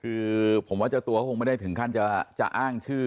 คือผมว่าเจ้าตัวก็คงไม่ได้ถึงขั้นจะอ้างชื่อ